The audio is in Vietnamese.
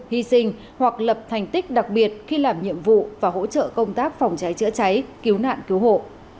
hy sinh hoặc lập thành tích đặc biệt khi làm nhiệm vụ và hỗ trợ công tác phòng cháy chữa cháy cứu nạn cứu hộ